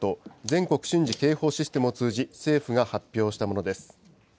・全国瞬時警報システムを通じ、政府が発表したものです。